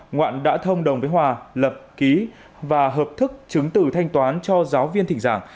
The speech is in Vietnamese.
ngoạn đã thông đồng với hòa lập ký và hợp thức chứng từ thanh toán cho giáo viên thỉnh giảng